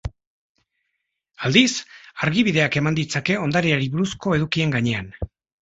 Aldiz, argibideak eman ditzake ondareari buruzko edukien gainean.